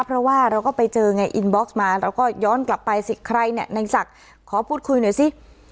เพราะว่าเราก็ไปเจอไงอินบ็อกซ์มาเราก็ย้อนกลับไปสิใครเนี่ยในศักดิ์ขอพูดคุยหน่อยสิ